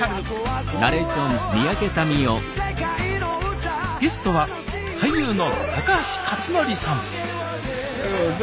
今日はゲストは俳優の高橋克典さん